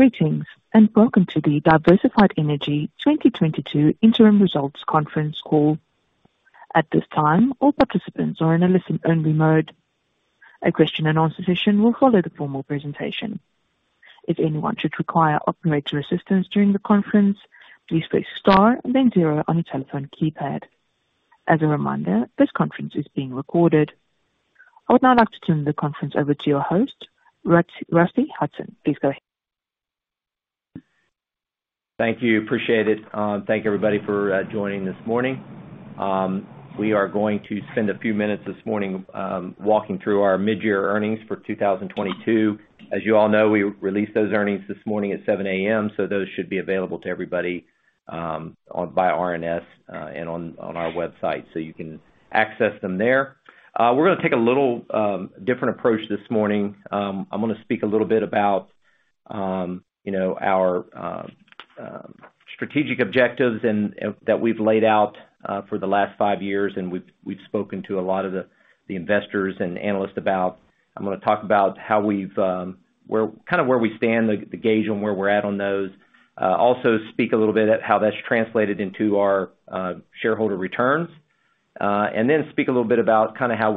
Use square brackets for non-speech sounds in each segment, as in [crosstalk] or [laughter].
Greetings, and welcome to the Diversified Energy Company 2022 Interim Results Conference Call. At this time, all participants are in a listen-only mode. A question-and-answer session will follow the formal presentation. If anyone should require operator assistance during the conference, please press star and then zero on your telephone keypad. As a reminder, this conference is being recorded. I would now like to turn the conference over to your host, Rusty Hutson. Please go ahead. Thank you. Appreciate it. Thank you, everybody, for joining this morning. We are going to spend a few minutes this morning walking through our mid-year earnings for 2022. As you all know, we released those earnings this morning at 7:00 A.M., so those should be available to everybody by RNS and on our website, so you can access them there. We're gonna take a little different approach this morning. I'm gonna speak a little bit about you know, our strategic objectives and that we've laid out for the last five years, and we've spoken to a lot of the investors and analysts about. I'm gonna talk about how we've kind of where we stand, the gauge on where we're at on those. Also speak a little bit about how that's translated into our shareholder returns. Then speak a little bit about kind of how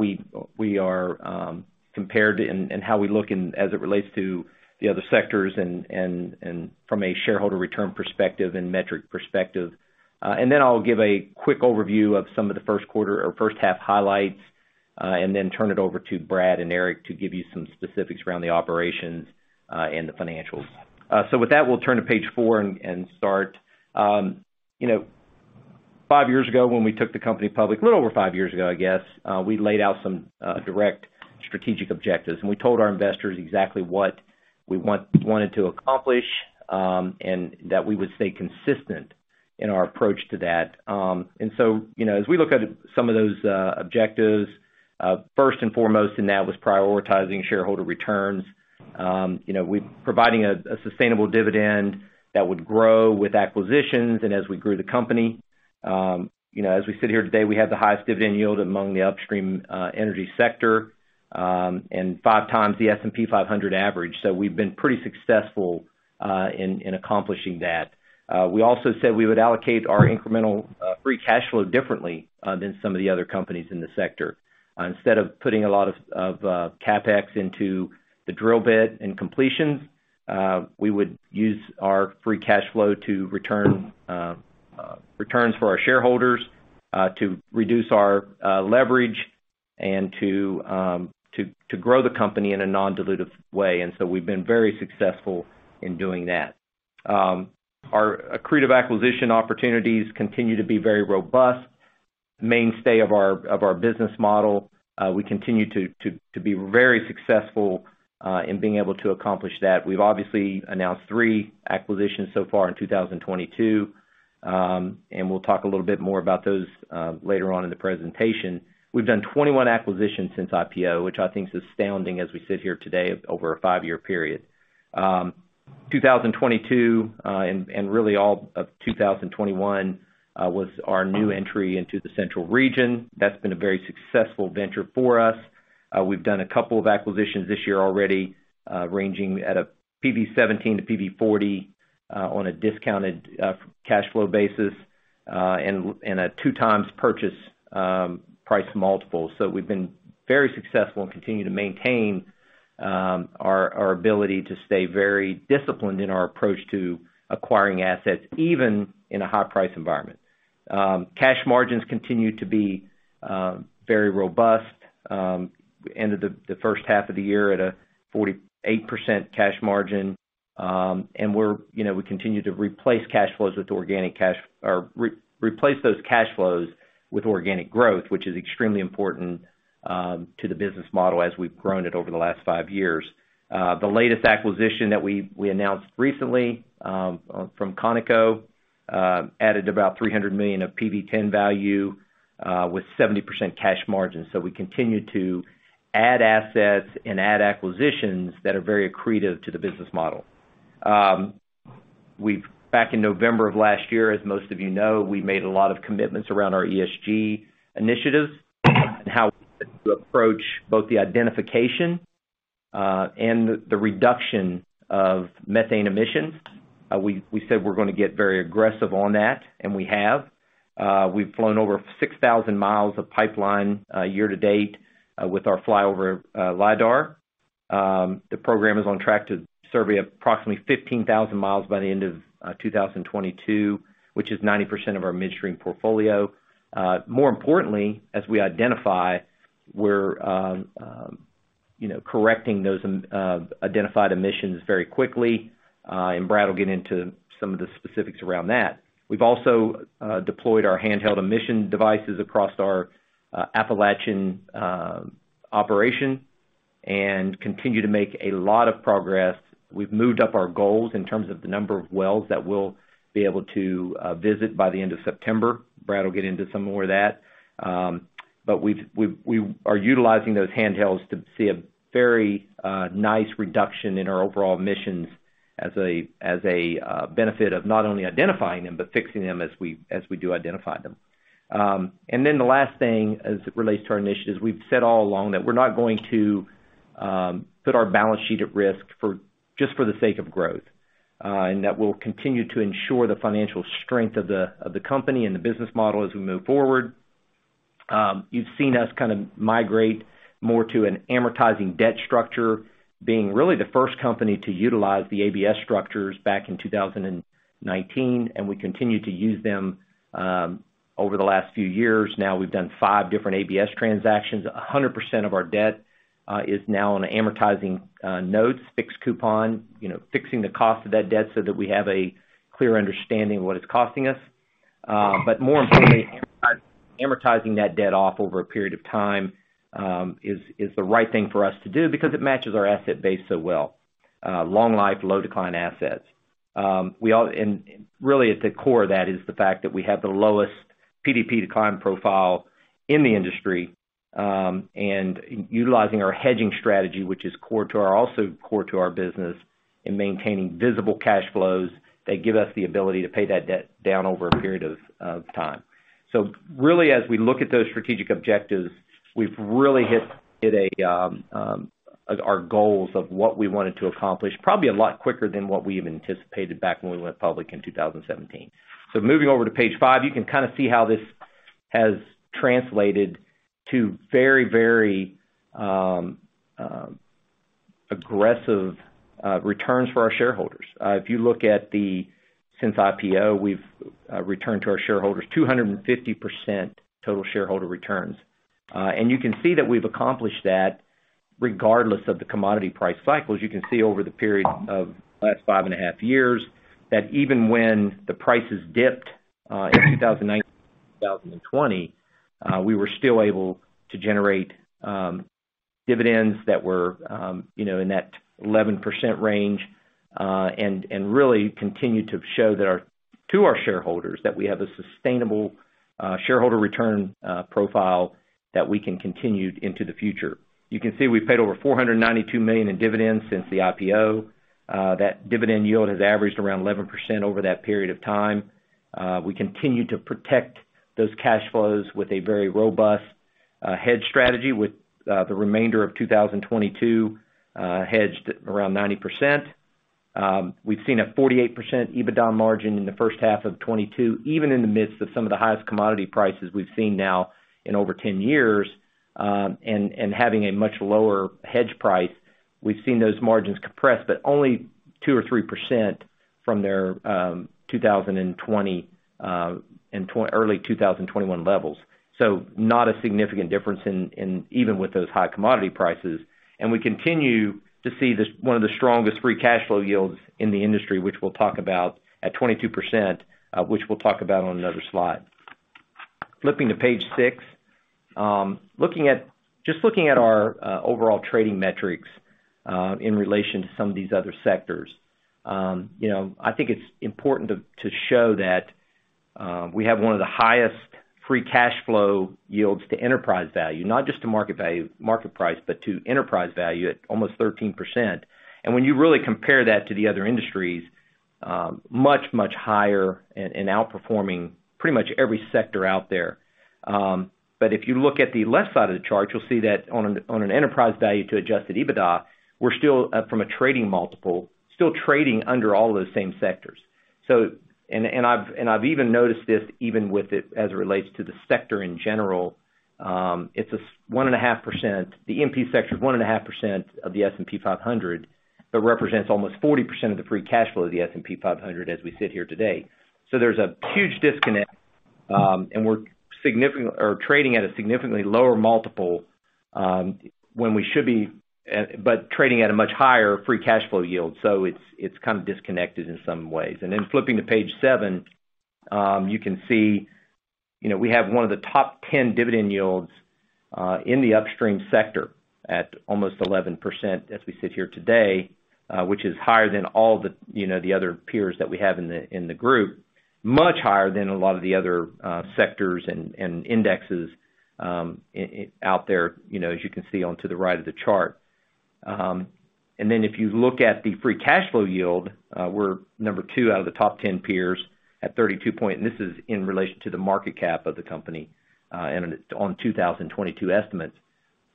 we are compared and how we look in as it relates to the other sectors and from a shareholder return perspective and metric perspective. Then I'll give a quick overview of some of the first quarter or first half highlights, and then turn it over to Brad and Eric to give you some specifics around the operations and the financials. With that, we'll turn to page four and start. You know, five years ago, when we took the company public, a little over five years ago, I guess, we laid out some direct strategic objectives, and we told our investors exactly what we wanted to accomplish, and that we would stay consistent in our approach to that. You know, as we look at some of those objectives, first and foremost in that was prioritizing shareholder returns. You know, we providing a sustainable dividend that would grow with acquisitions and as we grew the company. You know, as we sit here today, we have the highest dividend yield among the upstream energy sector, and 5x the S&P 500 average. We've been pretty successful in accomplishing that. We also said we would allocate our incremental free cash flow differently than some of the other companies in the sector. Instead of putting a lot of CapEx into the drill bit and completions, we would use our free cash flow to return returns for our shareholders, to reduce our leverage and to grow the company in a non-dilutive way. We've been very successful in doing that. Our accretive acquisition opportunities continue to be very robust, mainstay of our business model. We continue to be very successful in being able to accomplish that. We've obviously announced three acquisitions so far in 2022, and we'll talk a little bit more about those later on in the presentation. We've done 21 acquisitions since IPO, which I think is astounding as we sit here today over a five-year period. 2022 and really all of 2021 was our new entry into the central region. That's been a very successful venture for us. We've done a couple of acquisitions this year already, ranging at a PV-17 to PV-40 on a discounted cash flow basis, and a 2x purchase price multiple. We've been very successful and continue to maintain our ability to stay very disciplined in our approach to acquiring assets, even in a high-price environment. Cash margins continue to be very robust. Ended the first half of the year at a 48% cash margin. We're, you know, we continue to replace cash flows with organic cash or replace those cash flows with organic growth, which is extremely important to the business model as we've grown it over the last five years. The latest acquisition that we announced recently from ConocoPhillips added about $300 million of PV-10 value with 70% cash margin. We continue to add assets and add acquisitions that are very accretive to the business model. Back in November of last year, as most of you know, we made a lot of commitments around our ESG initiatives and how to approach both the identification and the reduction of methane emissions. We said we're gonna get very aggressive on that, and we have. We've flown over 6,000 mi of pipeline year-to-date with our flyover LIDAR. The program is on track to survey approximately 15,000 mi by the end of 2022, which is 90% of our midstream portfolio. More importantly, as we identify, we're you know correcting those identified emissions very quickly, and Brad will get into some of the specifics around that. We've also deployed our handheld emission devices across our Appalachian operation and continue to make a lot of progress. We've moved up our goals in terms of the number of wells that we'll be able to visit by the end of September. Brad will get into some more of that. We are utilizing those handhelds to see a very nice reduction in our overall emissions as a benefit of not only identifying them but fixing them as we do identify them. The last thing as it relates to our initiatives, we've said all along that we're not going to put our balance sheet at risk just for the sake of growth, and that we'll continue to ensure the financial strength of the company and the business model as we move forward. You've seen us kind of migrate more to an amortizing debt structure, being really the first company to utilize the ABS structures back in 2019, and we continue to use them over the last few years. Now we've done five different ABS transactions. 100% of our debt is now on amortizing notes, fixed coupon, you know, fixing the cost of that debt so that we have a clear understanding of what it's costing us. More importantly, amortizing that debt off over a period of time is the right thing for us to do because it matches our asset base so well. Long life, low decline assets. Really at the core of that is the fact that we have the lowest PDP decline profile in the industry, and utilizing our hedging strategy, which is core to our, also core to our business in maintaining visible cash flows that give us the ability to pay that debt down over a period of time. Really as we look at those strategic objectives, we've really hit our goals of what we wanted to accomplish, probably a lot quicker than what we even anticipated back when we went public in 2017. Moving over to page five, you can kind of see how this has translated to very aggressive returns for our shareholders. If you look at the since IPO, we've returned to our shareholders 250% total shareholder returns. You can see that we've accomplished that regardless of the commodity price cycles. You can see over the period of the last five and a half years, that even when the prices dipped in 2019, 2020, we were still able to generate dividends that were, you know, in that eleven percent range, and really continued to show to our shareholders that we have a sustainable shareholder return profile that we can continue into the future. You can see we paid over $492 million in dividends since the IPO. That dividend yield has averaged around 11% over that period of time. We continue to protect those cash flows with a very robust hedge strategy with the remainder of 2022 hedged around 90%. We've seen a 48% EBITDA margin in the first half of 2022, even in the midst of some of the highest commodity prices we've seen now in over 10 years, and having a much lower hedge price. We've seen those margins compress, but only 2% or 3% from their 2020 and early 2021 levels. Not a significant difference in even with those high commodity prices. We continue to see this, one of the strongest free cash flow yields in the industry, which we'll talk about at 22%, which we'll talk about on another slide. Flipping to page six. Looking at our overall trading metrics in relation to some of these other sectors, you know, I think it's important to show that we have one of the highest free cash flow yields to enterprise value, not just to market value, market price, but to enterprise value at almost 13%. When you really compare that to the other industries, much higher and outperforming pretty much every sector out there. If you look at the left side of the chart, you'll see that on an enterprise value to adjusted EBITDA, we're still from a trading multiple, still trading under all of those same sectors. I've even noticed this even with it as it relates to the sector in general. It's 1.5%. The E&P sector is 1.5% of the S&P 500, but represents almost 40% of the free cash flow of the S&P 500 as we sit here today. There's a huge disconnect, and we're trading at a significantly lower multiple, when we should be, but trading at a much higher free cash flow yield. It's kind of disconnected in some ways. Flipping to page seven, you can see, you know, we have one of the top 10 dividend yields in the upstream sector at almost 11% as we sit here today, which is higher than all the, you know, the other peers that we have in the group. Much higher than a lot of the other sectors and indexes out there, you know, as you can see on to the right of the chart. If you look at the free cash flow yield, we're number 2 out of the top 10 peers at 32 point. And this is in relation to the market cap of the company and on 2022 estimates,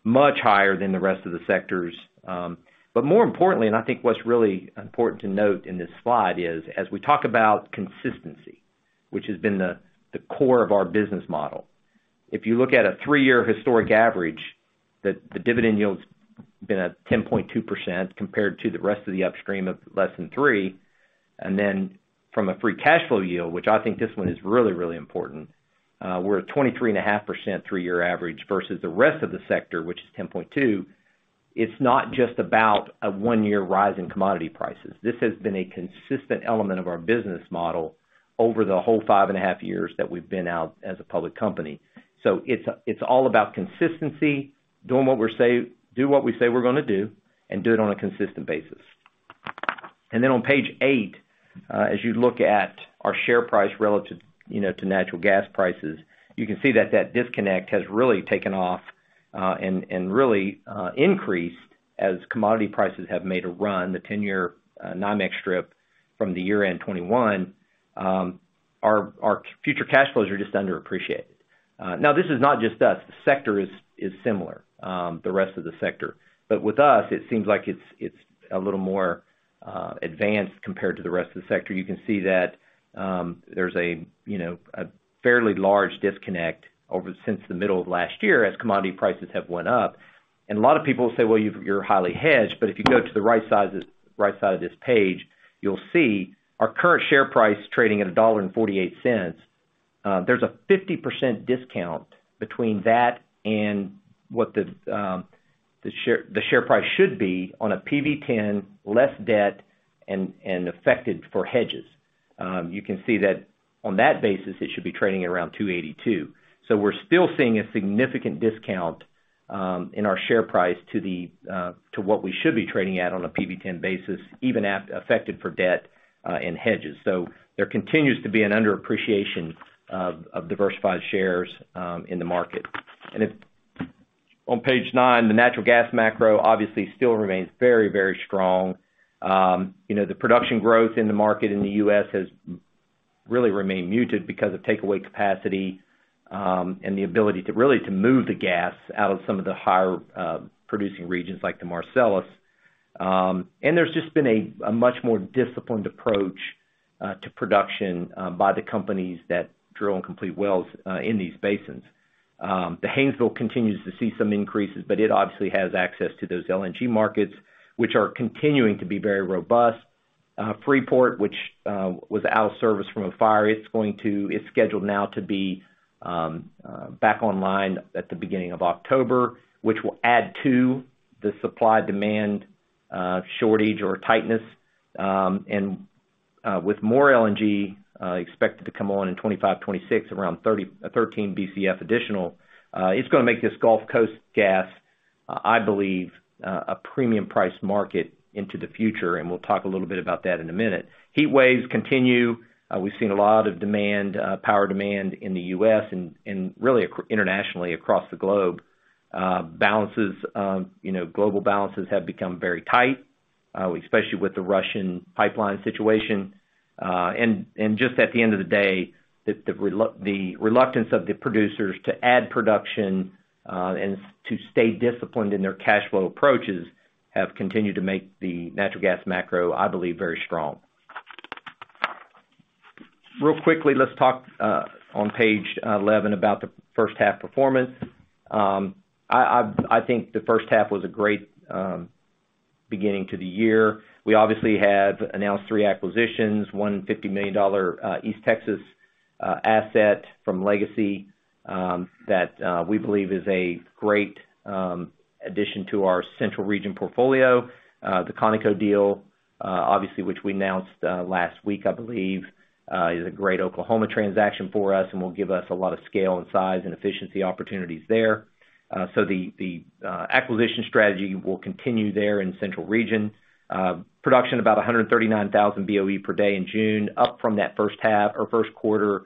much higher than the rest of the sectors. More importantly, I think what's really important to note in this slide is, as we talk about consistency, which has been the core of our business model. If you look at a three-year historic average, the dividend yield's been at 10.2% compared to the rest of the upstream of less than 3%. Then from a free cash flow yield, which I think this one is really, really important, we're at 23.5% three-year average versus the rest of the sector, which is 10.2%. It's not just about a one-year rise in commodity prices. This has been a consistent element of our business model over the whole five and a half years that we've been out as a public company. It's all about consistency, doing what we say we're gonna do, and do it on a consistent basis. On page eight, as you look at our share price relative, you know, to natural gas prices, you can see that disconnect has really taken off, and really increased as commodity prices have made a run. The ten-year NYMEX strip from the year-end 2021, our future cash flows are just underappreciated. Now this is not just us. The sector is similar, the rest of the sector. With us, it seems like it's a little more advanced compared to the rest of the sector. You can see that, there's a, you know, a fairly large disconnect since the middle of last year as commodity prices have went up. A lot of people say, "Well, you're highly hedged," but if you go to the right side of this page, you'll see our current share price trading at $1.48. There's a 50% discount between that and what the share price should be on a PV-10, less debt and adjusted for hedges. You can see that on that basis, it should be trading at around $2.82. So we're still seeing a significant discount in our share price to what we should be trading at on a PV-10 basis, even adjusted for debt and hedges. So there continues to be an underappreciation of Diversified shares in the market. On page nine, the natural gas macro obviously still remains very, very strong. You know, the production growth in the market in the U.S. has really remained muted because of takeaway capacity, and the ability to really move the gas out of some of the higher producing regions like the Marcellus. There's just been a much more disciplined approach to production by the companies that drill and complete wells in these basins. The Haynesville continues to see some increases, but it obviously has access to those LNG markets, which are continuing to be very robust. Freeport, which was out of service from a fire, it's scheduled now to be back online at the beginning of October, which will add to the supply-demand shortage or tightness. With more LNG expected to come on in 2025, 2026, around 13 Bcf additional, it's gonna make this Gulf Coast gas, I believe, a premium price market into the future, and we'll talk a little bit about that in a minute. Heat waves continue. We've seen a lot of demand, power demand in the U.S. and really internationally across the globe. You know, global balances have become very tight, especially with the Russian pipeline situation. Just at the end of the day, the reluctance of the producers to add production and to stay disciplined in their cash flow approaches have continued to make the natural gas macro, I believe, very strong. Really quickly, let's talk on page 11 about the first half performance. I think the first half was a great beginning to the year. We obviously have announced three acquisitions, $150 million East Texas asset from Legacy that we believe is a great addition to our central region portfolio. The ConocoPhillips deal obviously, which we announced last week, I believe, is a great Oklahoma transaction for us and will give us a lot of scale and size and efficiency opportunities there. The acquisition strategy will continue there in the central region. Production about 139,000 BOE per day in June, up from that first half or first quarter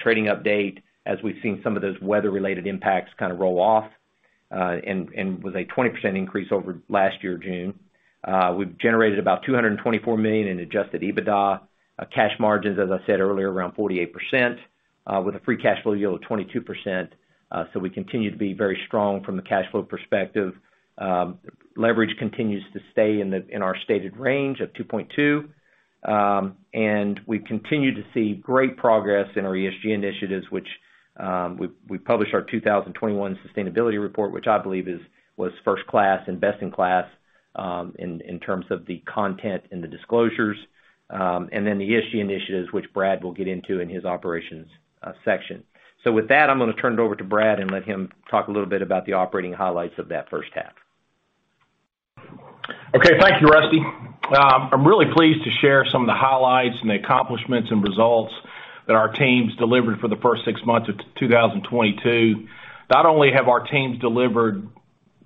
trading update, as we've seen some of those weather related impacts kind of roll off. With a 20% increase over last year June. We've generated about $224 million in adjusted EBITDA. Cash margins, as I said earlier, around 48%, with a free cash flow yield of 22%. We continue to be very strong from the cash flow perspective. Leverage continues to stay in our stated range of 2.2x. We continue to see great progress in our ESG initiatives, which we published our 2021 sustainability report, which I believe was first class and best in class, in terms of the content and the disclosures. The ESG initiatives, which Brad will get into in his operations section. With that, I'm gonna turn it over to Brad and let him talk a little bit about the operating highlights of that first half. Okay. Thank you, Rusty. I'm really pleased to share some of the highlights and the accomplishments and results that our teams delivered for the first six months of 2022. Not only have our teams delivered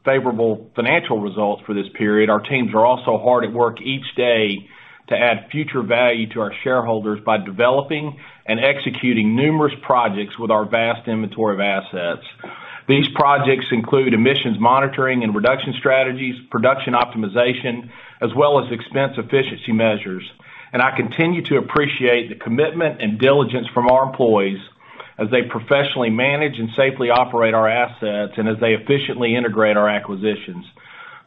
favorable financial results for this period, our teams are also hard at work each day to add future value to our shareholders by developing and executing numerous projects with our vast inventory of assets. These projects include emissions monitoring and reduction strategies, production optimization, as well as expense efficiency measures. I continue to appreciate the commitment and diligence from our employees as they professionally manage and safely operate our assets and as they efficiently integrate our acquisitions.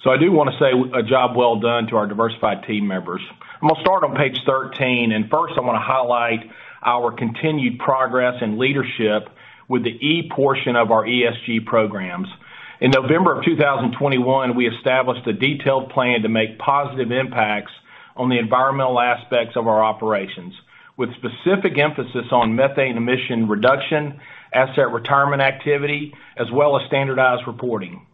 I do wanna say a job well done to our Diversified team members. I'm gonna start on page 13, and first I wanna highlight our continued progress and leadership with the E portion of our ESG programs. In November 2021, we established a detailed plan to make positive impacts on the environmental aspects of our operations, with specific emphasis on methane emission reduction, asset retirement activity, as well as standardized reporting.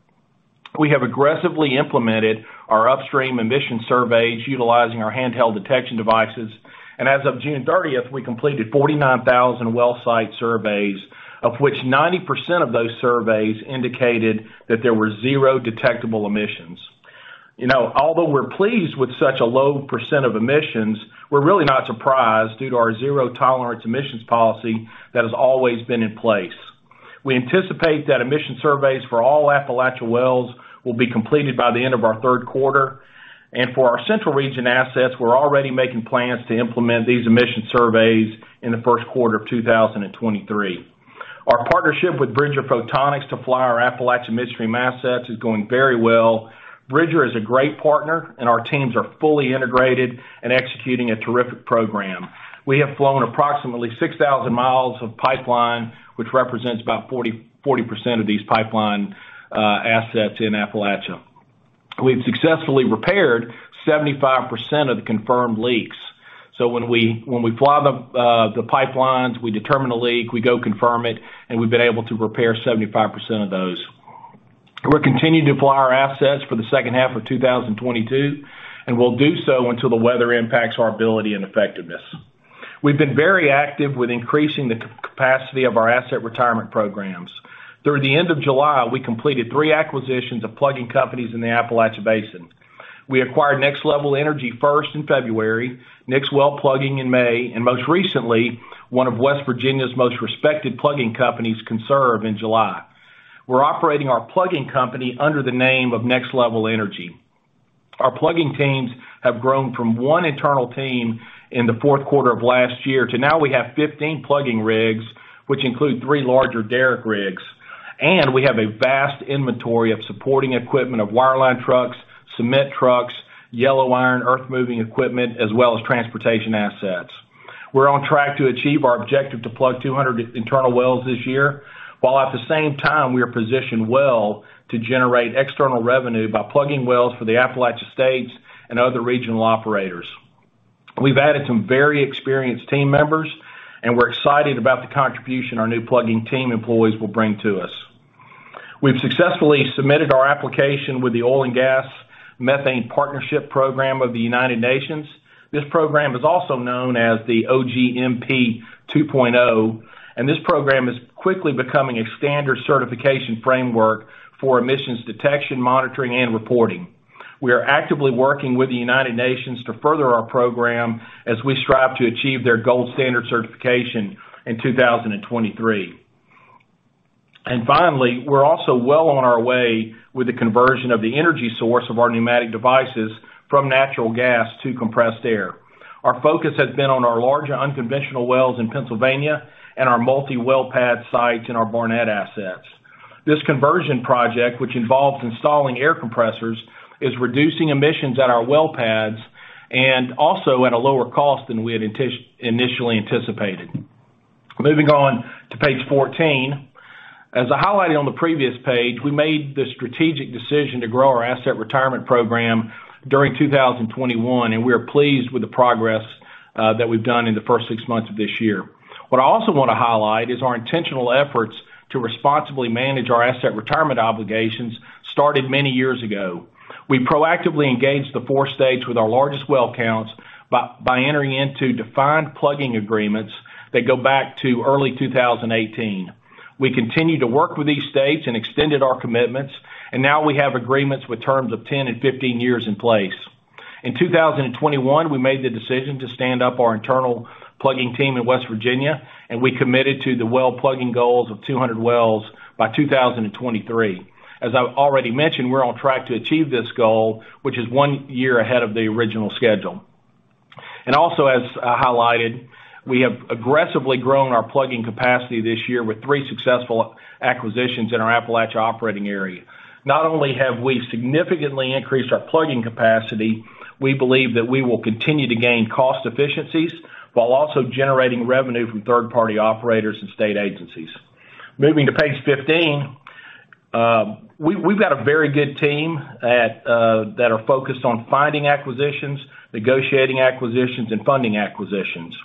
We have aggressively implemented our upstream emissions surveys utilizing our handheld detection devices. As of June 30th, we completed 49,000 well site surveys, of which 90% of those surveys indicated that there were zero detectable emissions. You know, although we're pleased with such a low percent of emissions, we're really not surprised due to our zero tolerance emissions policy that has always been in place. We anticipate that emission surveys for all Appalachia wells will be completed by the end of our third quarter. For our central region assets, we're already making plans to implement these emission surveys in the first quarter of 2023. Our partnership with Bridger Photonics to fly our Appalachia midstream assets is going very well. Bridger is a great partner, and our teams are fully integrated and executing a terrific program. We have flown approximately 6,000 mi of pipeline, which represents about 40% of these pipeline assets in Appalachia. We've successfully repaired 75% of the confirmed leaks. When we fly the pipelines, we determine a leak, we go confirm it, and we've been able to repair 75% of those. We'll continue to fly our assets for the second half of 2022, and we'll do so until the weather impacts our ability and effectiveness. We've been very active with increasing the capacity of our asset retirement programs. Through the end of July, we completed three acquisitions of plugging companies in the Appalachian Basin. We acquired Next LVL Energy first in February, Nick's Well Plugging in May, and most recently, one of West Virginia's most respected plugging companies, Conserve, in July. We're operating our plugging company under the name of Next LVL Energy. Our plugging teams have grown from one internal team in the fourth quarter of last year to now we have 15 plugging rigs, which include three larger derrick rigs, and we have a vast inventory of supporting equipment of wireline trucks, cement trucks, yellow iron, earth-moving equipment, as well as transportation assets. We're on track to achieve our objective to plug 200 internal wells this year, while at the same time, we are positioned well to generate external revenue by plugging wells for the Appalachia states and other regional operators. We've added some very experienced team members, and we're excited about the contribution our new plugging team employees will bring to us. We've successfully submitted our application with the Oil & Gas Methane Partnership program of the United Nations. This program is also known as the OGMP 2.0, and this program is quickly becoming a standard certification framework for emissions detection, monitoring, and reporting. We are actively working with the United Nations to further our program as we strive to achieve their gold standard certification in 2023. Finally, we're also well on our way with the conversion of the energy source of our pneumatic devices from natural gas to compressed air. Our focus has been on our larger unconventional wells in Pennsylvania and our multi-well pad sites in our Barnett assets. This conversion project, which involves installing air compressors, is reducing emissions at our well pads and also at a lower cost than we had initially anticipated. Moving on to page 14. As I highlighted on the previous page, we made the strategic decision to grow our asset retirement program during 2021, and we are pleased with the progress that we've done in the first six months of this year. What I also want to highlight is our intentional efforts to responsibly manage our asset retirement obligations started many years ago. We proactively engaged the four states with our largest well counts by entering into defined plugging agreements that go back to early 2018. We continued to work with these states and extended our commitments, and now we have agreements with terms of 10 and 15 years in place. In 2021, we made the decision to stand up our internal plugging team in West Virginia, and we committed to the well plugging goals of 200 wells by 2023. As I've already mentioned, we're on track to achieve this goal, which is one year ahead of the original schedule. As highlighted, we have aggressively grown our plugging capacity this year with three successful acquisitions in our Appalachia operating area. Not only have we significantly increased our plugging capacity, we believe that we will continue to gain cost efficiencies while also generating revenue from third-party operators and state agencies. Moving to page 15. We've got a very good team that are focused on finding acquisitions, negotiating acquisitions, and funding acquisitions.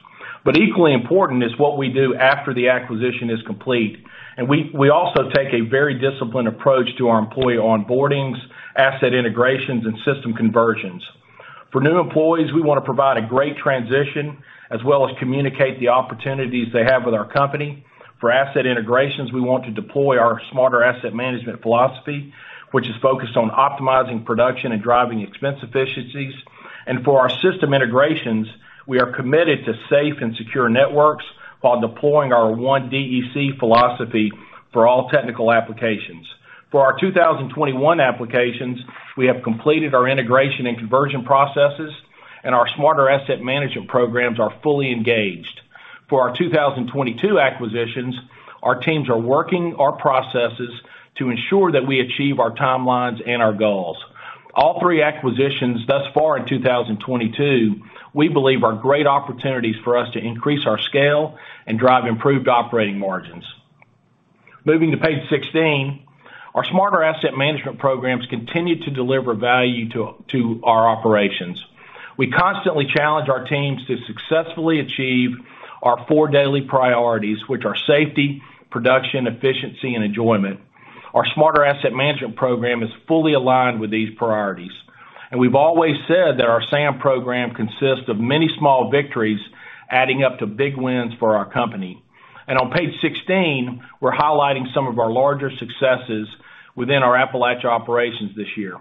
Equally important is what we do after the acquisition is complete. We also take a very disciplined approach to our employee onboardings, asset integrations, and system conversions. For new employees, we wanna provide a great transition as well as communicate the opportunities they have with our company. For asset integrations, we want to deploy our smarter asset management philosophy, which is focused on optimizing production and driving expense efficiencies. For our system integrations, we are committed to safe and secure networks while deploying our one DEC philosophy for all technical applications. For our 2021 applications, we have completed our integration and conversion processes, and our Smarter Asset Management programs are fully engaged. For our 2022 acquisitions, our teams are working our processes to ensure that we achieve our timelines and our goals. All three acquisitions thus far in 2022, we believe are great opportunities for us to increase our scale and drive improved operating margins. Moving to page 16. Our Smarter Asset Management programs continue to deliver value to our operations. We constantly challenge our teams to successfully achieve our four daily priorities, which are safety, production, efficiency, and enjoyment. Our Smarter Asset Management program is fully aligned with these priorities. We've always said that our SAM program consists of many small victories adding up to big wins for our company. On page 16, we're highlighting some of our larger successes within our Appalachia operations this year.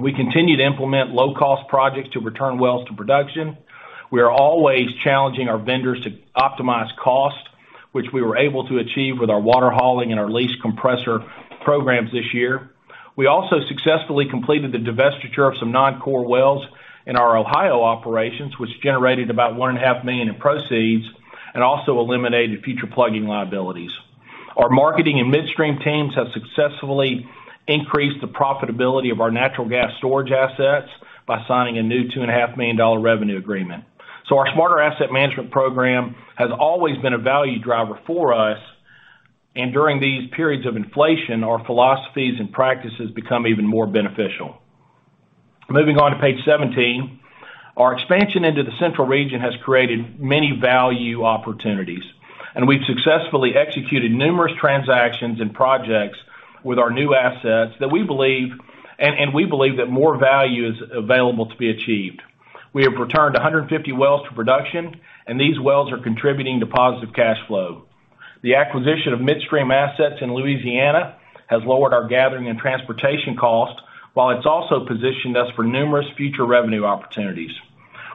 We continue to implement low cost projects to return wells to production. We are always challenging our vendors to optimize costs, which we were able to achieve with our water hauling and our lease compressor programs this year. We also successfully completed the divestiture of some non-core wells in our Ohio operations, which generated about $1.5 million in proceeds and also eliminated future plugging liabilities. Our marketing and midstream teams have successfully increased the profitability of our natural gas storage assets by signing a new $2.5 million revenue agreement. Our Smarter Asset Management program has always been a value driver for us. During these periods of inflation, our philosophies and practices become even more beneficial. Moving on to page 17. Our expansion into the central region has created many value opportunities, and we've successfully executed numerous transactions and projects with our new assets that we believe. We believe that more value is available to be achieved. We have returned 150 wells to production, and these wells are contributing to positive cash flow. The acquisition of midstream assets in Louisiana has lowered our gathering and transportation costs, while it's also positioned us for numerous future revenue opportunities.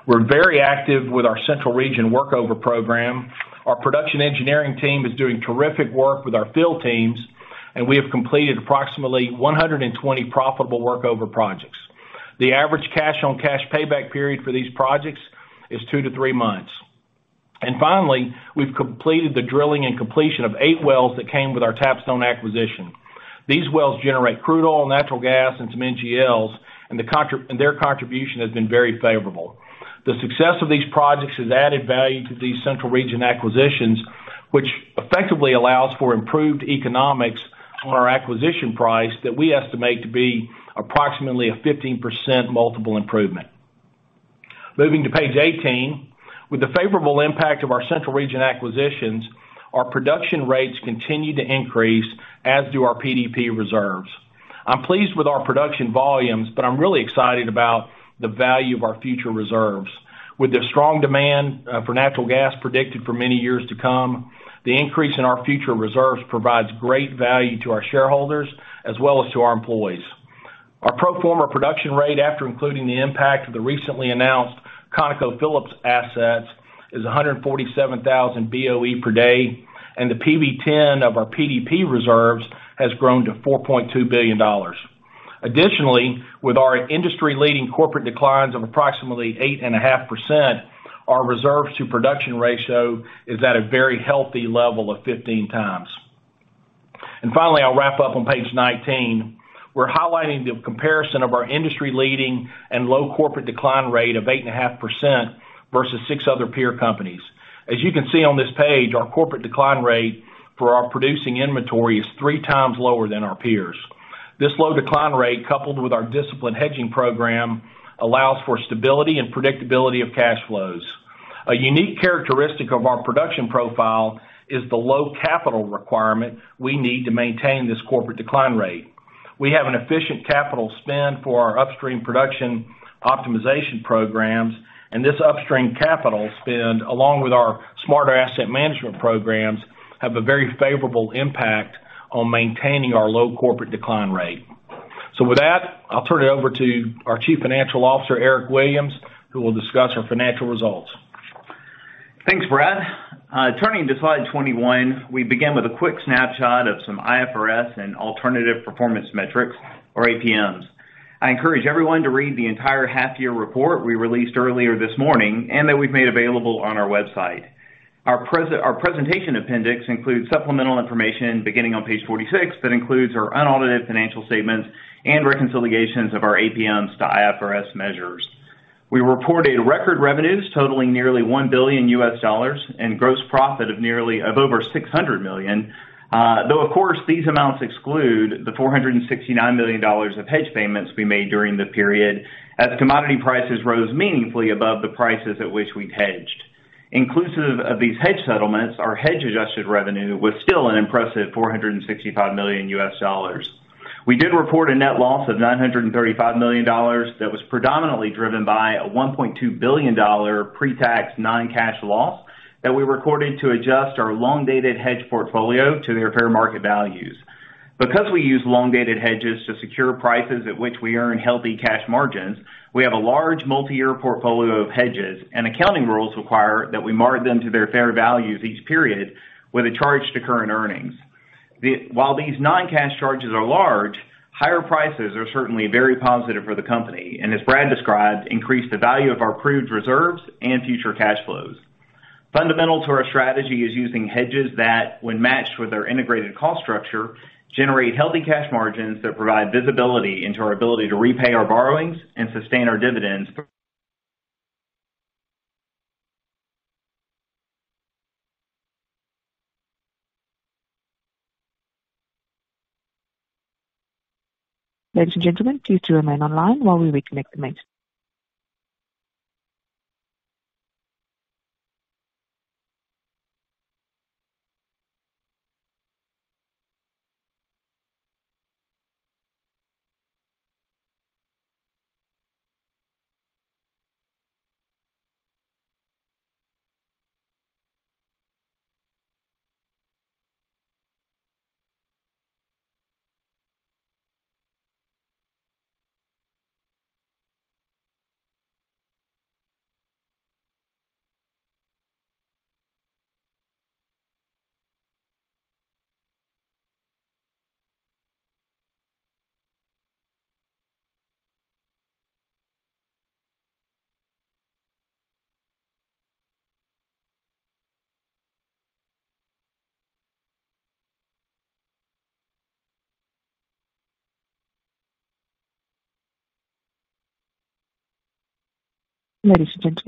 We're very active with our central region workover program. Our production engineering team is doing terrific work with our field teams, and we have completed approximately 120 profitable workover projects. The average cash-on-cash payback period for these projects is two to three months. Finally, we've completed the drilling and completion of eight wells that came with our Tapstone acquisition. These wells generate crude oil, natural gas, and some NGLs, and their contribution has been very favorable. The success of these projects has added value to these central region acquisitions, which effectively allows for improved economics on our acquisition price that we estimate to be approximately a 15% multiple improvement. Moving to page 18. With the favorable impact of our central region acquisitions, our production rates continue to increase, as do our PDP reserves. I'm pleased with our production volumes, but I'm really excited about the value of our future reserves. With the strong demand for natural gas predicted for many years to come, the increase in our future reserves provides great value to our shareholders as well as to our employees. Our pro forma production rate, after including the impact of the recently announced ConocoPhillips assets, is 147,000 BOE per day, and the PV-10 of our PDP reserves has grown to $4.2 billion. Additionally, with our industry-leading corporate declines of approximately 8.5%, our reserves to production ratio is at a very healthy level of 15x. Finally, I'll wrap up on page 19. We're highlighting the comparison of our industry-leading and low corporate decline rate of 8.5% versus six other peer companies. As you can see on this page, our corporate decline rate for our producing inventory is 3x lower than our peers. This low decline rate, coupled with our disciplined hedging program, allows for stability and predictability of cash flows. A unique characteristic of our production profile is the low capital requirement we need to maintain this corporate decline rate. We have an efficient capital spend for our upstream production optimization programs, and this upstream capital spend, along with our smarter asset management programs, have a very favorable impact on maintaining our low corporate decline rate. With that, I'll turn it over to our Chief Financial Officer, Eric Williams, who will discuss our financial results. Thanks, Brad. Turning to slide 21, we begin with a quick snapshot of some IFRS and alternative performance metrics, or APMs. I encourage everyone to read the entire half year report we released earlier this morning and that we've made available on our website. Our presentation appendix includes supplemental information beginning on page 46 that includes our unaudited financial statements and reconciliations of our APMs to IFRS measures. We reported record revenues totaling nearly $1 billion and gross profit of over $600 million. Though, of course, these amounts exclude the $469 million of hedge payments we made during the period as commodity prices rose meaningfully above the prices at which we'd hedged. Inclusive of these hedge settlements, our hedge-adjusted revenue was still an impressive $465 million. We did report a net loss of $935 million that was predominantly driven by a $1.2 billion pre-tax non-cash loss that we recorded to adjust our long-dated hedge portfolio to their fair market values. Because we use long-dated hedges to secure prices at which we earn healthy cash margins, we have a large multi-year portfolio of hedges, and accounting rules require that we mark them to their fair values each period with a charge to current earnings. While these non-cash charges are large, higher prices are certainly very positive for the company and, as Brad described, increased the value of our proved reserves and future cash flows. Fundamental to our strategy is using hedges that, when matched with our integrated cost structure, generate healthy cash margins that provide visibility into our ability to repay our borrowings and sustain our dividends- Ladies and gentlemen, please remain online while we reconnect the management.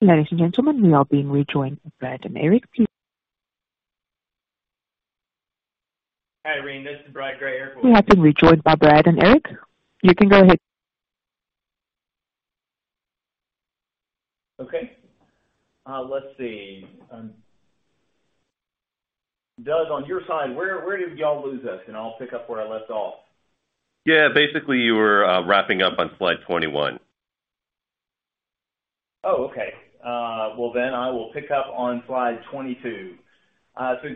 Ladies and gentlemen, we are being rejoined by Brad and Eric. Hi, Irene. This is Brad Gray. [inaudible] We have been rejoined by Brad and Eric. You can go ahead. Okay. Let's see. Russ, on your side, where did y'all lose us? I'll pick up where I left off. Yeah, basically, you were wrapping up on slide 21. Well, I will pick up on slide 22.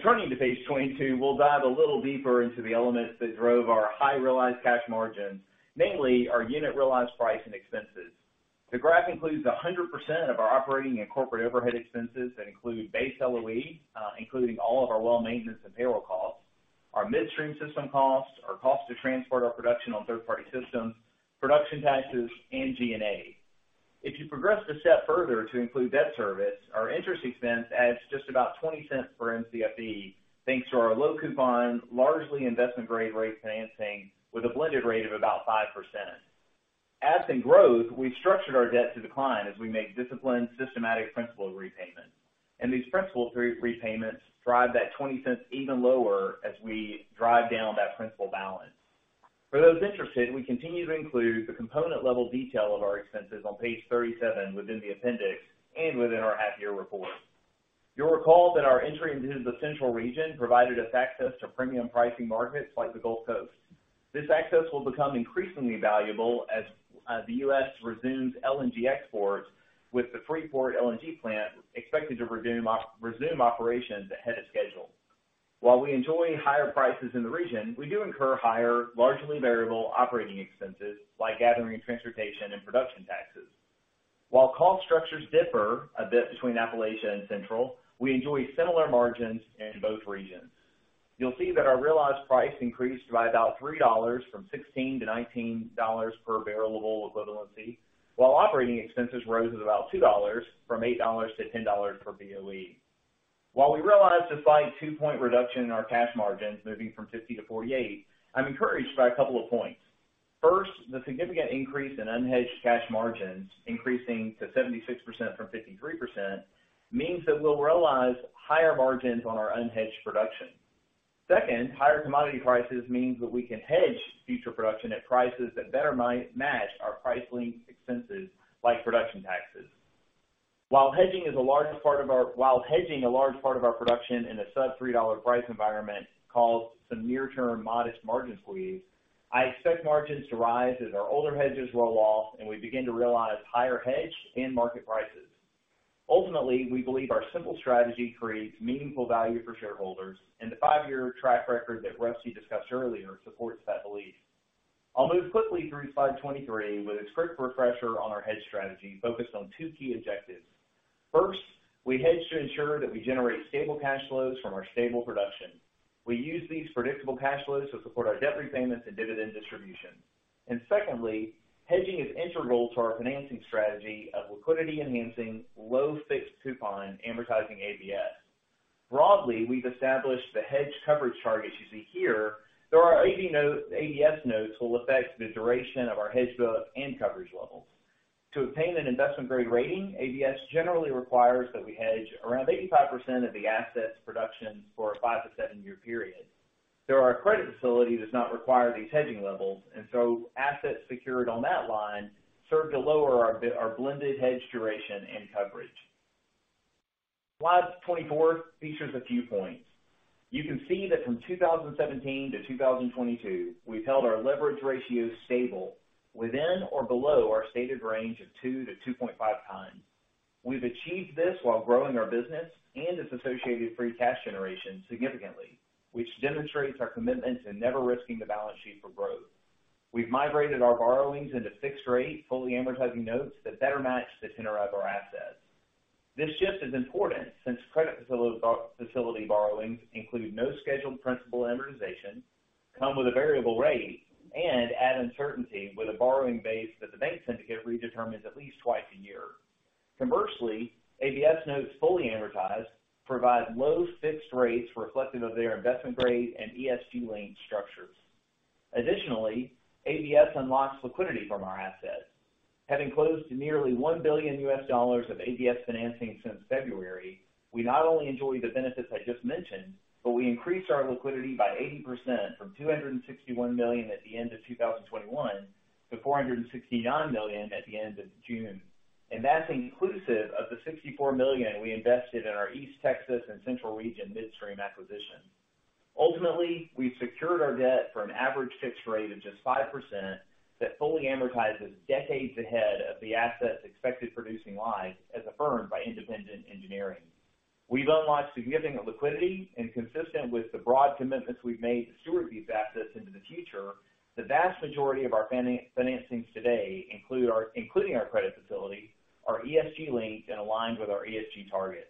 Turning to page 22, we'll dive a little deeper into the elements that drove our high realized cash margins, mainly our unit realized price and expenses. The graph includes 100% of our operating and corporate overhead expenses that include base LOE, including all of our well maintenance and payroll costs, our midstream system costs, our cost to transport our production on third-party systems, production taxes, and G&A. If you progress a step further to include debt service, our interest expense adds just about $0.20 per Mcfe, thanks to our low coupon, largely investment-grade rate financing with a blended rate of about 5%. As we grow, we've structured our debt to decline as we make disciplined, systematic principal repayments. These principal repayments drive that $0.20 even lower as we drive down that principal balance. For those interested, we continue to include the component level detail of our expenses on page 37 within the appendix and within our half year report. You'll recall that our entry into the Central region provided us access to premium pricing markets like the Gulf Coast. This access will become increasingly valuable as the U.S. resumes LNG exports, with the Freeport LNG plant expected to resume operations ahead of schedule. While we enjoy higher prices in the region, we do incur higher, largely variable operating expenses like gathering, transportation, and production taxes. While cost structures differ a bit between Appalachia and Central, we enjoy similar margins in both regions. You'll see that our realized price increased by about $3 from $16-$19 per BOE, while operating expenses rose by about $2 from $8-$10 per BOE. We realized a slight 2-point reduction in our cash margins, moving from 50 to 48. I'm encouraged by a couple of points. First, the significant increase in unhedged cash margins, increasing to 76% from 53%, means that we'll realize higher margins on our unhedged production. Second, higher commodity prices means that we can hedge future production at prices that better match our price-linked expenses like production taxes. While hedging a large part of our production in a sub-$3 price environment caused some near term modest margin squeeze, I expect margins to rise as our older hedges roll off, and we begin to realize higher hedge and market prices. Ultimately, we believe our simple strategy creates meaningful value for shareholders, and the five-year track record that Rusty discussed earlier supports that belief. I'll move quickly through slide 23 with a quick refresher on our hedge strategy focused on two key objectives. First, we hedge to ensure that we generate stable cash flows from our stable production. We use these predictable cash flows to support our debt repayments and dividend distribution. Secondly, hedging is integral to our financing strategy of liquidity enhancing low fixed coupon amortizing ABS. Broadly, we've established the hedge coverage targets you see here, though our ABS notes will affect the duration of our hedge book and coverage levels. To obtain an investment-grade rating, ABS generally requires that we hedge around 85% of the assets production for a five to seven-year period. Though our credit facility does not require these hedging levels, and so assets secured on that line serve to lower our blended hedge duration and coverage. Slide 24 features a few points. You can see that from 2017 to 2022, we've held our leverage ratio stable within or below our stated range of 2x-2.5x. We've achieved this while growing our business and its associated free cash generation significantly, which demonstrates our commitment to never risking the balance sheet for growth. We've migrated our borrowings into fixed rate, fully amortizing notes that better match the tenor of our assets. This shift is important since credit facility borrowings include no scheduled principal amortization, come with a variable rate, and add uncertainty with a borrowing base that the bank syndicate redetermines at least twice a year. Commercially, ABS notes fully amortized, provide low fixed rates reflective of their investment grade and ESG linked structures. Additionally, ABS unlocks liquidity from our assets. Having closed nearly $1 billion of ABS financing since February, we not only enjoy the benefits I just mentioned, but we increased our liquidity by 80% from $261 million at the end of 2021 to $469 million at the end of June. That's inclusive of the $64 million we invested in our East Texas and Central Region midstream acquisition. Ultimately, we've secured our debt for an average fixed rate of just 5% that fully amortizes decades ahead of the assets' expected producing lives as affirmed by independent engineering. We've unlocked significant liquidity and consistent with the broad commitments we've made to steward these assets into the future. The vast majority of our financings today, including our credit facility, are ESG linked and aligned with our ESG targets.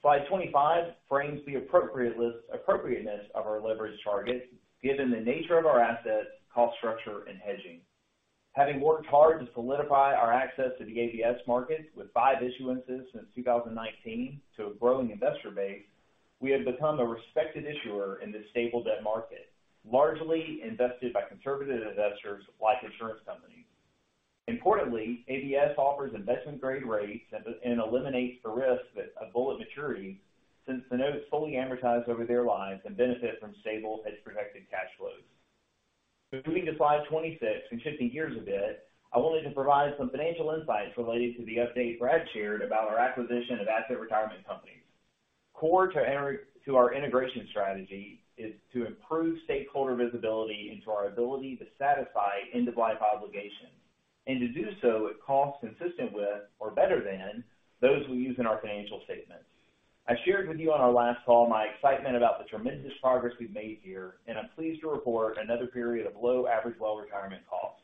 Slide 25 frames the appropriateness of our leverage target given the nature of our assets, cost structure, and hedging. Having worked hard to solidify our access to the ABS market with five issuances since 2019 to a growing investor base, we have become a respected issuer in this stable debt market, largely invested by conservative investors like insurance companies. Importantly, ABS offers investment grade rates and eliminates the risk of a bullet maturity since the notes fully amortize over their lives and benefit from stable hedge protected cash flows. Moving to slide 26 and shifting gears a bit, I wanted to provide some financial insights related to the update Brad shared about our acquisition of asset retirement companies. Core to our integration strategy is to improve stakeholder visibility into our ability to satisfy end-of-life obligations, and to do so at costs consistent with or better than those we use in our financial statements. I shared with you on our last call my excitement about the tremendous progress we've made here, and I'm pleased to report another period of low average well retirement costs.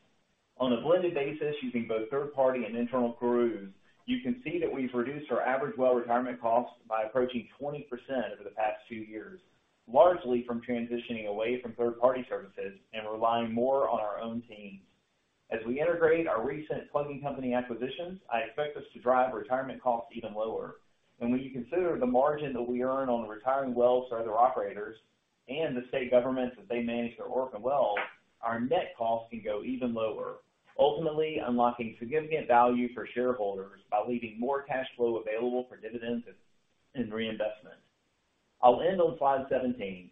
On a blended basis using both third party and internal crews, you can see that we've reduced our average well retirement costs by approaching 20% over the past two years, largely from transitioning away from third party services and relying more on our own teams. As we integrate our recent plugging company acquisitions, I expect us to drive retirement costs even lower. When you consider the margin that we earn on retiring wells for other operators and the state governments as they manage their orphan wells, our net costs can go even lower, ultimately unlocking significant value for shareholders by leaving more cash flow available for dividends and reinvestment. I'll end on slide 17.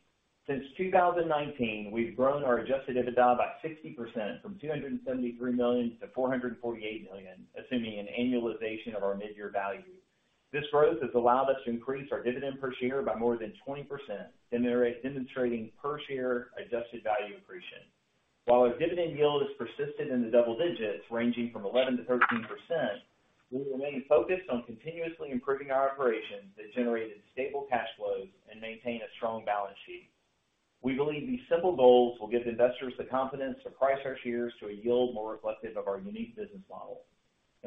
Since 2019, we've grown our adjusted EBITDA by 60% from $273 million to $448 million, assuming an annualization of our mid-year value. This growth has allowed us to increase our dividend per share by more than 20%, demonstrating per share adjusted value accretion. While our dividend yield has persisted in the double digits, ranging from 11%-13%, we remain focused on continuously improving our operations that generated stable cash flows and maintain a strong balance sheet. We believe these simple goals will give investors the confidence to price our shares to a yield more reflective of our unique business model.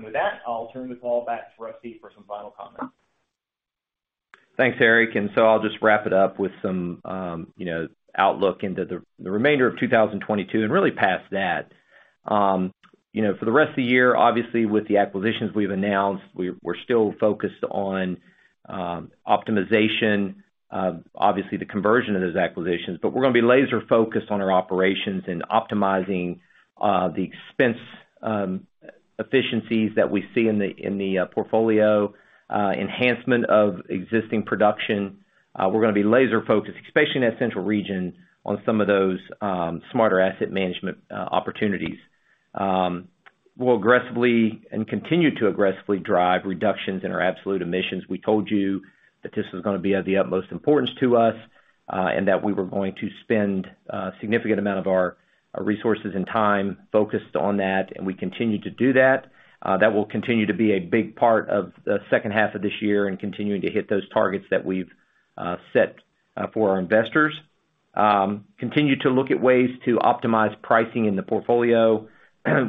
With that, I'll turn the call back to Rusty for some final comments. Thanks, Eric. I'll just wrap it up with some, you know, outlook into the remainder of 2022, and really past that. You know, for the rest of the year, obviously with the acquisitions we've announced, we're still focused on optimization, obviously the conversion of those acquisitions. We're gonna be laser focused on our operations and optimizing the expense efficiencies that we see in the portfolio enhancement of existing production. We're gonna be laser focused, especially in that central region, on some of those Smarter Asset Management opportunities. We'll aggressively and continue to aggressively drive reductions in our absolute emissions. We told you that this was gonna be of the utmost importance to us, and that we were going to spend a significant amount of our resources and time focused on that, and we continue to do that. That will continue to be a big part of the second half of this year and continuing to hit those targets that we've set for our investors. Continue to look at ways to optimize pricing in the portfolio.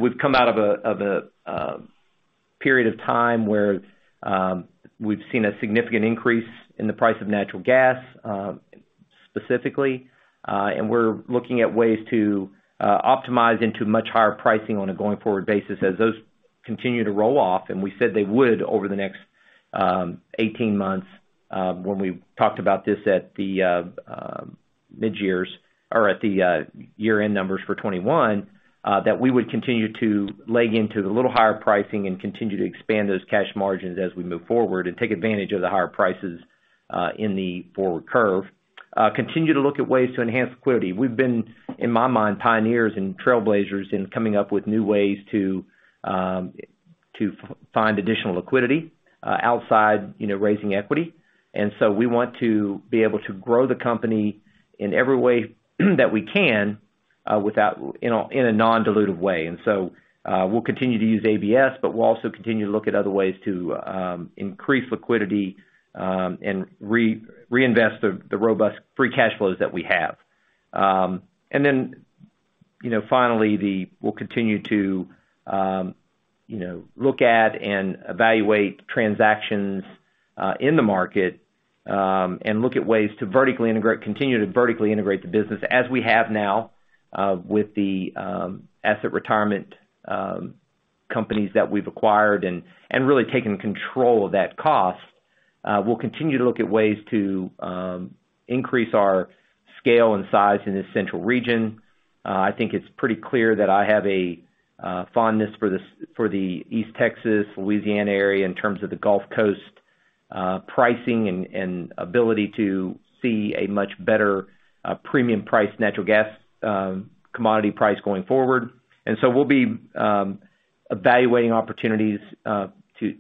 We've come out of a period of time where we've seen a significant increase in the price of natural gas, specifically, and we're looking at ways to optimize into much higher pricing on a going forward basis as those continue to roll off, and we said they would over the next 18 months, when we talked about this at the midyears or at the year-end numbers for 2021, that we would continue to leg into a little higher pricing and continue to expand those cash margins as we move forward and take advantage of the higher prices in the forward curve. Continue to look at ways to enhance liquidity. We've been, in my mind, pioneers and trailblazers in coming up with new ways to find additional liquidity outside, you know, raising equity. We want to be able to grow the company in every way that we can, without in a non-dilutive way. We'll continue to use ABS, but we'll also continue to look at other ways to increase liquidity and reinvest the robust free cash flows that we have. You know, finally, we'll continue to you know, look at and evaluate transactions in the market and look at ways to continue to vertically integrate the business as we have now, with the asset retirement companies that we've acquired and really taking control of that cost. We'll continue to look at ways to increase our scale and size in the central region. I think it's pretty clear that I have a fondness for the East Texas, Louisiana area in terms of the Gulf Coast pricing and ability to see a much better premium price natural gas commodity price going forward. We'll be evaluating opportunities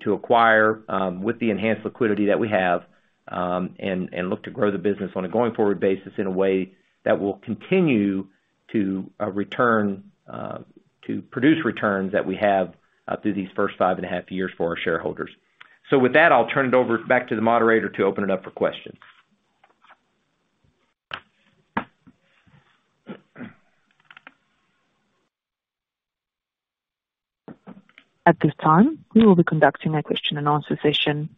to acquire with the enhanced liquidity that we have and look to grow the business on a going forward basis in a way that will continue to return to produce returns that we have through these first five and a half years for our shareholders. With that, I'll turn it over back to the moderator to open it up for questions. At this time, we will be conducting a question and answer session.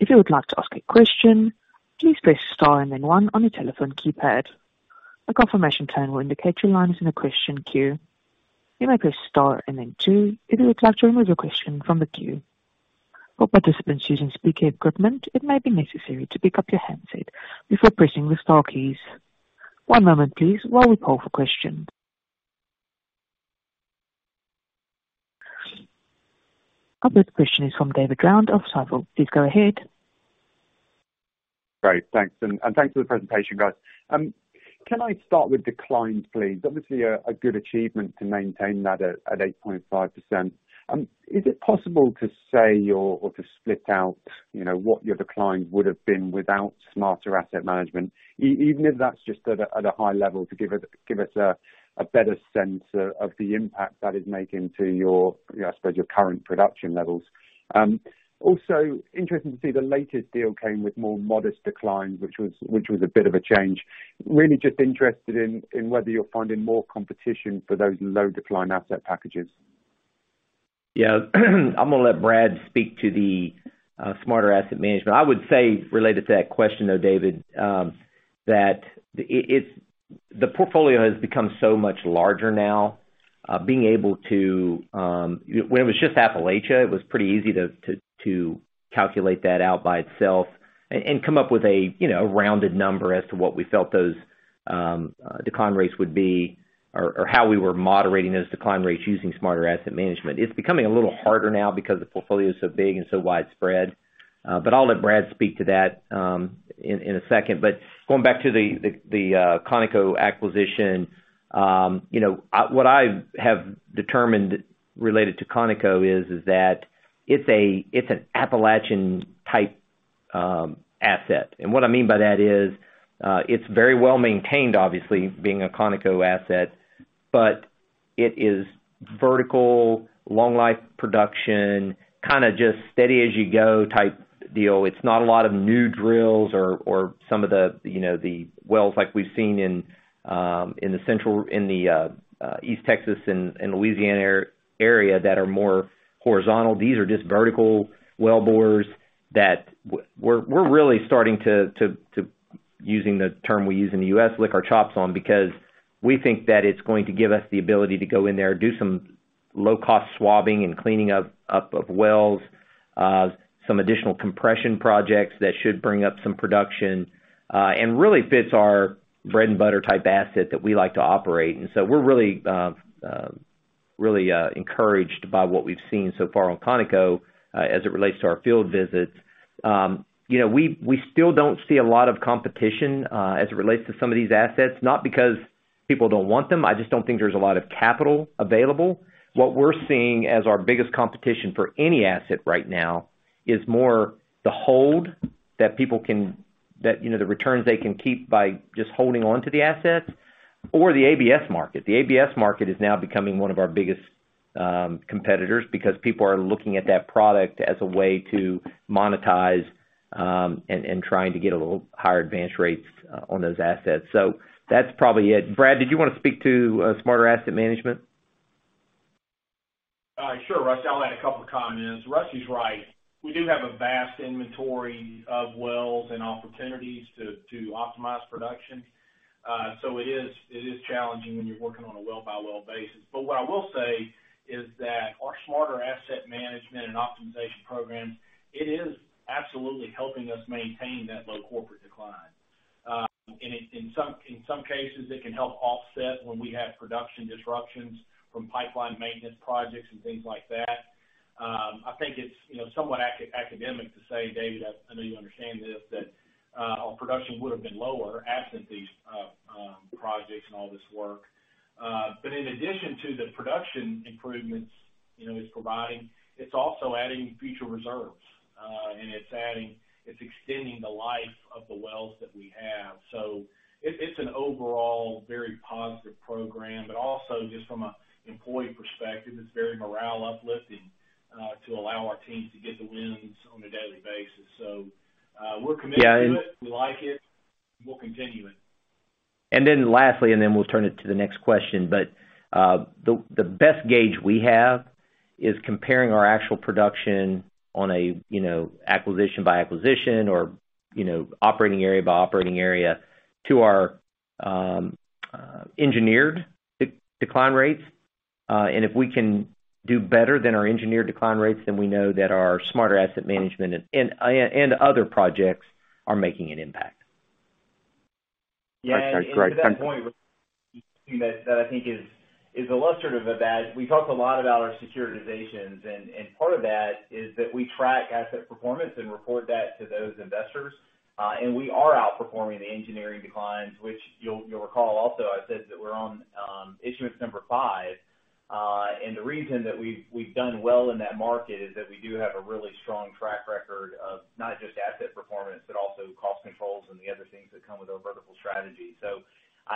If you would like to ask a question, please press star and then one on your telephone keypad. A confirmation tone will indicate your line is in a question queue. You may press star and then two if you would like to remove your question from the queue. For participants using speaker equipment, it may be necessary to pick up your handset before pressing the star keys. One moment please while we poll for questions. Our first question is from David Round of Stifel. Please go ahead. Great. Thanks. Thanks for the presentation, guys. Can I start with declines, please? Obviously a good achievement to maintain that at 8.5%. Is it possible to say or to split out, you know, what your declines would have been without Smarter Asset Management? Even if that's just at a high level to give us a better sense of the impact that is making to your, I suppose, your current production levels. Also interested to see the latest deal came with more modest declines, which was a bit of a change. Really just interested in whether you're finding more competition for those low decline asset packages. Yeah. I'm gonna let Brad speak to the Smarter Asset Management. I would say related to that question, though, David, the portfolio has become so much larger now. Being able to when it was just Appalachia, it was pretty easy to calculate that out by itself and come up with a you know rounded number as to what we felt those decline rates would be or how we were moderating those decline rates using Smarter Asset Management. It's becoming a little harder now because the portfolio is so big and so widespread. I'll let Brad speak to that in a second. Going back to the ConocoPhillips acquisition, you know, what I have determined related to ConocoPhillips is that it's an Appalachian-type asset. What I mean by that is, it's very well maintained, obviously, being a ConocoPhillips asset, but it is vertical, long-life production, kinda just steady as you go type deal. It's not a lot of new drills or some of the, you know, the wells like we've seen in the East Texas and Louisiana area that are more horizontal. These are just vertical wellbores that we're really starting to, using the term we use in the U.S., lick our chops on because we think that it's going to give us the ability to go in there, do some low cost swabbing and cleaning up of wells, some additional compression projects that should bring up some production, and really fits our bread and butter type asset that we like to operate. We're really encouraged by what we've seen so far on ConocoPhillips as it relates to our field visits. You know, we still don't see a lot of competition as it relates to some of these assets, not because people don't want them. I just don't think there's a lot of capital available. What we're seeing as our biggest competition for any asset right now is more the hold that, you know, the returns they can keep by just holding onto the assets or the ABS market. The ABS market is now becoming one of our biggest competitors because people are looking at that product as a way to monetize and trying to get a little higher advanced rates on those assets. That's probably it. Brad, did you wanna speak to Smarter Asset Management? Sure, Russ. I'll add a couple of comments. Russ is right. We do have a vast inventory of wells and opportunities to optimize production. It is challenging when you're working on a well by well basis. What I will say is that our Smarter Asset Management and optimization programs, it is absolutely helping us maintain that low corporate decline. And in some cases, it can help offset when we have production disruptions from pipeline maintenance projects and things like that. I think it's, you know, somewhat academic to say, David, I know you understand this, that our production would have been lower absent these projects and all this work. In addition to the production improvements, you know, it's providing. It's also adding future reserves, and it's extending the life of the wells that we have. It's an overall very positive program, but also just from a employee perspective, it's very morale uplifting- ...to allow our teams to get the wins on a daily basis. We're committed to it. Yeah. We like it, and we'll continue it. Then lastly, we'll turn it to the next question, but the best gauge we have is comparing our actual production on a, you know, acquisition by acquisition or, you know, operating area by operating area to our engineered decline rates. If we can do better than our engineered decline rates, then we know that our Smarter Asset Management and other projects are making an impact. To that point, that I think is illustrative of that, we talk a lot about our securitizations and part of that is that we track asset performance and report that to those investors. We are outperforming the engineering declines, which you'll recall also I said that we're on issuance number five. The reason that we've done well in that market is that we do have a really strong track record of not just asset performance, but also cost controls and the other things that come with our vertical strategy.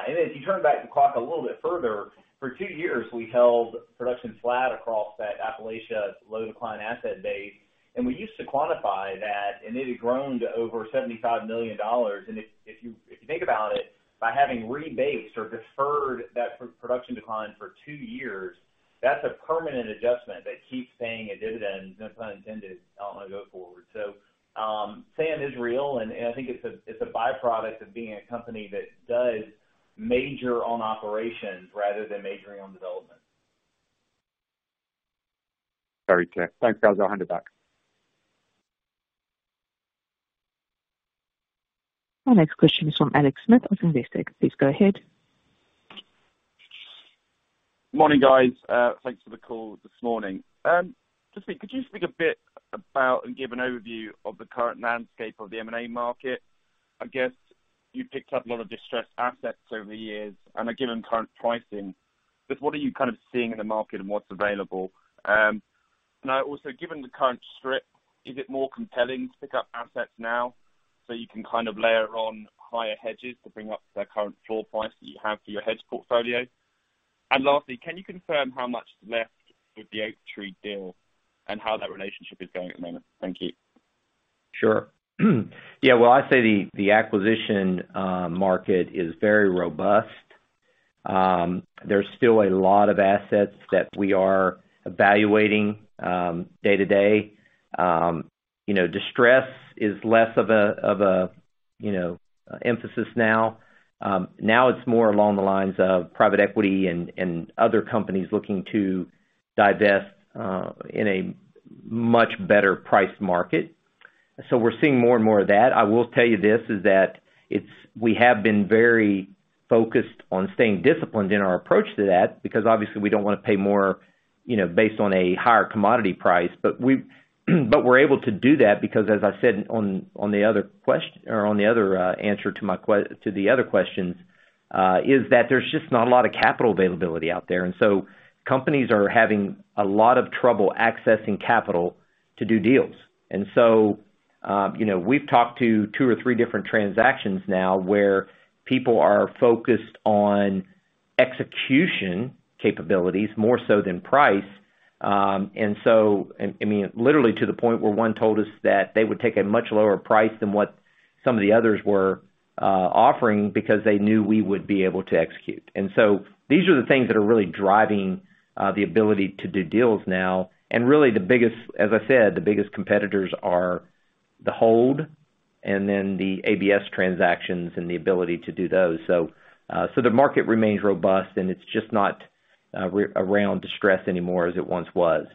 If you turn back the clock a little bit further, for two years, we held production flat across that Appalachia low decline asset base, and we used to quantify that, and it had grown to over $75 million. If you think about it, by having rebased or deferred that production decline for two years, that's a permanent adjustment that keeps paying a dividend, no pun intended, I wanna go forward. SAM is real, and I think it's a by-product of being a company that does major on operations rather than majoring on development. Very clear. Thanks, guys. I'll hand it back. Our next question is from Alex Smith of Investec. Please go ahead. Morning, guys. Thanks for the call this morning. Could you speak a bit about and give an overview of the current landscape of the M&A market? I guess you picked up a lot of distressed assets over the years, and, given current pricing. What are you kind of seeing in the market and what's available? Now also, given the current strip, is it more compelling to pick up assets now so you can kind of layer on higher hedges to bring up the current floor price that you have for your hedge portfolio? Lastly, can you confirm how much is left with the Oaktree deal and how that relationship is going at the moment? Thank you. Sure. Yeah. Well, I say the acquisition market is very robust. There's still a lot of assets that we are evaluating day-to-day. You know, distress is less of a you know, emphasis now. Now it's more along the lines of private equity and other companies looking to divest in a much better price market. We're seeing more and more of that. We have been very focused on staying disciplined in our approach to that, because obviously we don't wanna pay more, you know, based on a higher commodity price. We're able to do that because as I said on the other answer to the other questions is that there's just not a lot of capital availability out there. Companies are having a lot of trouble accessing capital to do deals. You know, we've talked to two or three different transactions now where people are focused on execution capabilities more so than price. I mean, literally to the point where one told us that they would take a much lower price than what some of the others were offering because they knew we would be able to execute. These are the things that are really driving the ability to do deals now. Really the biggest competitors are the hold and then the ABS transactions and the ability to do those. So the market remains robust, and it's just not around distress anymore as it once was.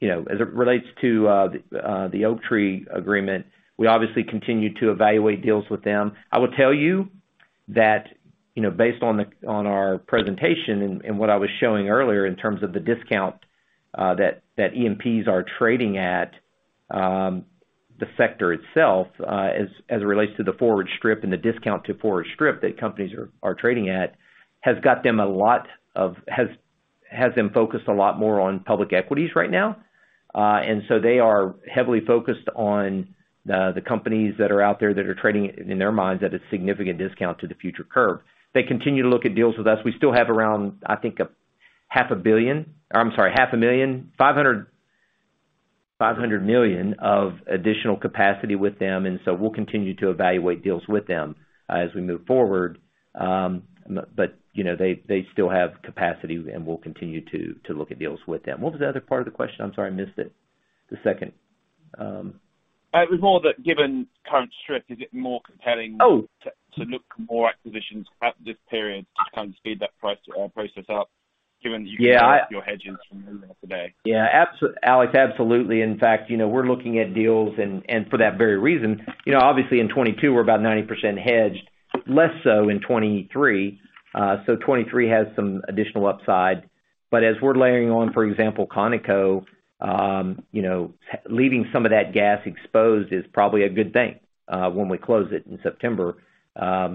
You know, as it relates to the Oaktree agreement, we obviously continue to evaluate deals with them. I will tell you that, you know, based on our presentation and what I was showing earlier in terms of the discount that E&Ps are trading at, the sector itself, as it relates to the forward strip and the discount to forward strip that companies are trading at, has got them focused a lot more on public equities right now. They are heavily focused on the companies that are out there that are trading in their minds at a significant discount to the future curve. They continue to look at deals with us. We still have around, I think, $500 million of additional capacity with them, and we'll continue to evaluate deals with them as we move forward. You know, they still have capacity, and we'll continue to look at deals with them. What was the other part of the question? I'm sorry, I missed it. The second. It was more that given current strip, is it more compelling- Oh. ...to look more acquisitions throughout this period to kind of speed that price process up given you can move your hedges from today? Yeah. Alex, absolutely. In fact, you know, we're looking at deals and for that very reason. You know, obviously in 2022 we're about 90% hedged, less so in 2023. 2023 has some additional upside. As we're layering on, for example, ConocoPhillips, you know, leaving some of that gas exposed is probably a good thing when we close it in September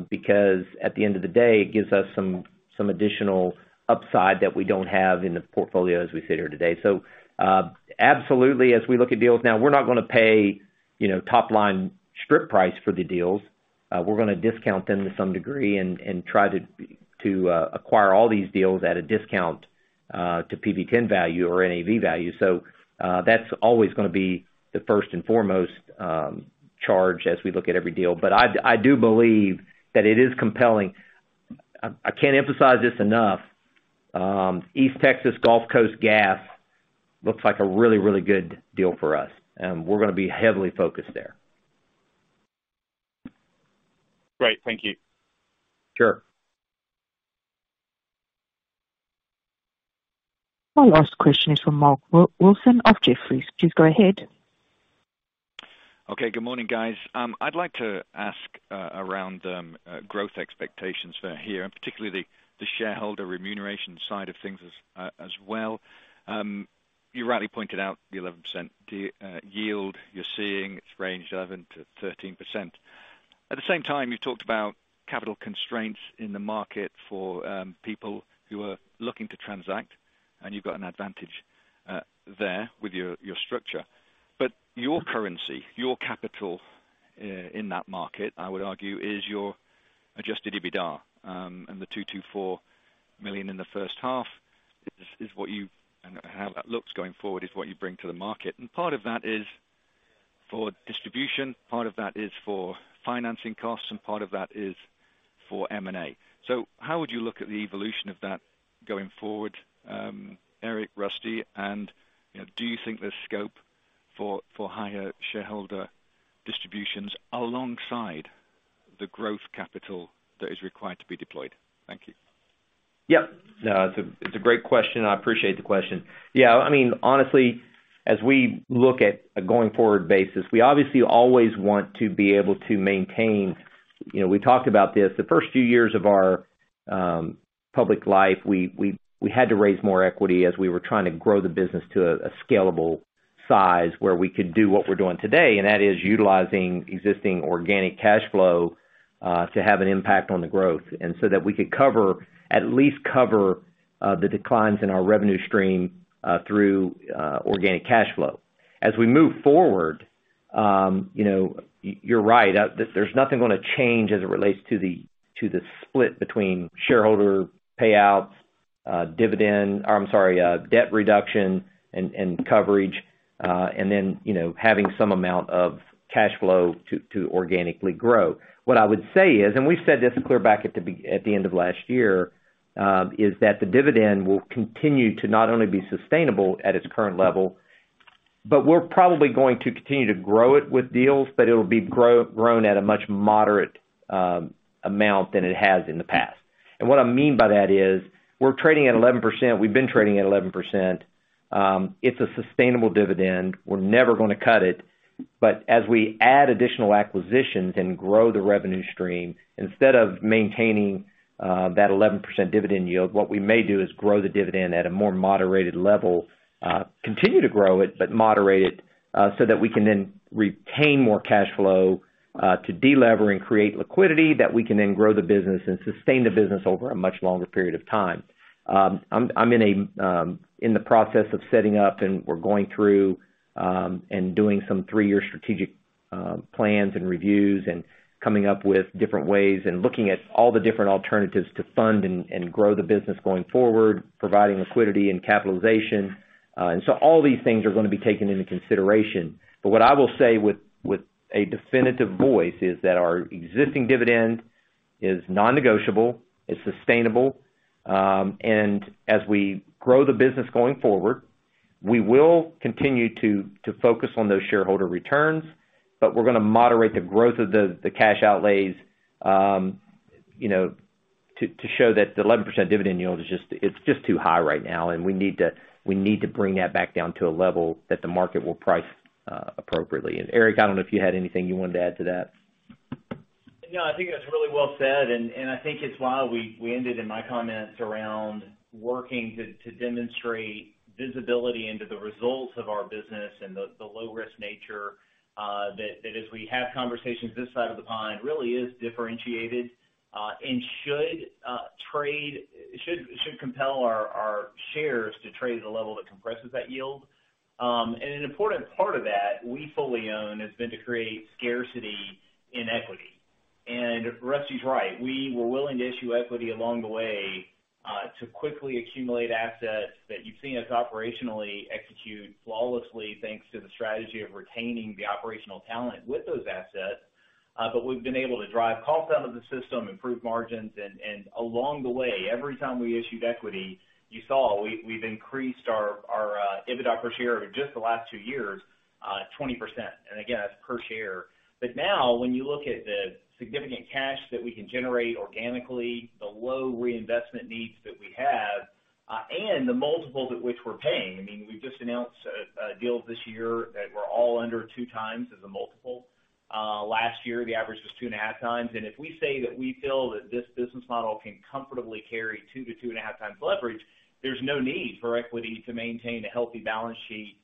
because at the end of the day, it gives us some additional upside that we don't have in the portfolio as we sit here today. Absolutely as we look at deals now, we're not gonna pay, you know, top line strip price for the deals. We're gonna discount them to some degree and try to acquire all these deals at a discount to PV-10 value or NAV value. That's always gonna be the first and foremost charge as we look at every deal. I do believe that it is compelling. I can't emphasize this enough. East Texas Gulf Coast gas looks like a really good deal for us, and we're gonna be heavily focused there. Great. Thank you. Sure. Our last question is from Mark Wilson of Jefferies. Please go ahead. Okay. Good morning, guys. I'd like to ask around growth expectations for here, and particularly the shareholder remuneration side of things as well. You rightly pointed out the 11% yield you're seeing. It's ranged 11%-13%. At the same time, you talked about capital constraints in the market for people who are looking to transact, and you've got an advantage there with your structure. Your currency, your capital in that market, I would argue, is your adjusted EBITDA. The $2.24 million in the first half is what you... How that looks going forward is what you bring to the market. Part of that is for distribution, part of that is for financing costs, and part of that is for M&A. How would you look at the evolution of that going forward, Eric, Rusty, and, you know, do you think there's scope for higher shareholder distributions alongside the growth capital that is required to be deployed? Thank you. Yeah. No, it's a great question, and I appreciate the question. Yeah, I mean, honestly, as we look at a going forward basis, we obviously always want to be able to maintain. You know, we talked about this. The first few years of our public life, we had to raise more equity as we were trying to grow the business to a scalable size where we could do what we're doing today, and that is utilizing existing organic cashflow to have an impact on the growth, and so that we could at least cover the declines in our revenue stream through organic cashflow. As we move forward, you know, you're right. There's nothing gonna change as it relates to the split between shareholder payouts, dividend. I'm sorry, debt reduction and coverage, and then, you know, having some amount of cash flow to organically grow. What I would say is, we've said this clear back at the end of last year, is that the dividend will continue to not only be sustainable at its current level, but we're probably going to continue to grow it with deals, but it'll be grown at a much more moderate amount than it has in the past. What I mean by that is we're trading at 11%. We've been trading at 11%. It's a sustainable dividend. We're never gonna cut it. As we add additional acquisitions and grow the revenue stream, instead of maintaining that 11% dividend yield, what we may do is grow the dividend at a more moderated level, continue to grow it, but moderate it, so that we can then retain more cashflow to de-lever and create liquidity that we can then grow the business and sustain the business over a much longer period of time. I'm in the process of setting up, and we're going through and doing some three-year strategic plans and reviews and coming up with different ways and looking at all the different alternatives to fund and grow the business going forward, providing liquidity and capitalization. All these things are gonna be taken into consideration. What I will say with a definitive voice is that our existing dividend is non-negotiable, it's sustainable, and as we grow the business going forward, we will continue to focus on those shareholder returns, but we're gonna moderate the growth of the cash outlays, you know, to show that the 11% dividend yield is just it's just too high right now, and we need to bring that back down to a level that the market will price appropriately. And Eric, I don't know if you had anything you wanted to add to that. No, I think that's really well said, and I think it's why we ended in my comments around working to demonstrate visibility into the results of our business and the low risk nature that as we have conversations this side of the pond, really is differentiated, and should compel our shares to trade at a level that compresses that yield. An important part of that we fully own has been to create scarcity in equity. Rusty's right. We were willing to issue equity along the way to quickly accumulate assets that you've seen us operationally execute flawlessly, thanks to the strategy of retaining the operational talent with those assets. We've been able to drive costs out of the system, improve margins, and along the way, every time we issued equity, you saw we've increased our EBITDA per share over just the last two years, 20%. Again, that's per share. Now when you look at the significant cash that we can generate organically, the low reinvestment needs that we have, and the multiples at which we're paying, I mean, we've just announced deals this year that were all under 2x as a multiple. Last year the average was 2.5x. If we say that we feel that this business model can comfortably carry 2x-2.5x leverage, there's no need for equity to maintain a healthy balance sheet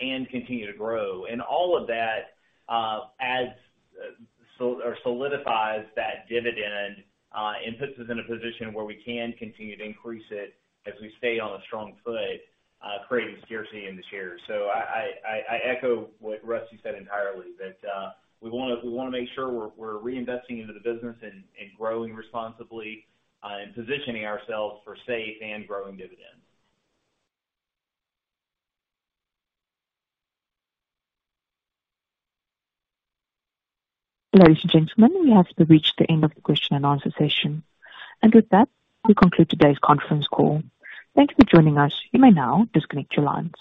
and continue to grow. All of that adds or solidifies that dividend, and puts us in a position where we can continue to increase it as we stay on a strong foot, creating scarcity in the shares. I echo what Rusty said entirely, that we wanna make sure we're reinvesting into the business and growing responsibly, and positioning ourselves for safe and growing dividends. Ladies and gentlemen, we have reached the end of the question and answer session. With that, we conclude today's conference call. Thank you for joining us. You may now disconnect your lines.